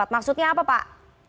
maksudnya apa pak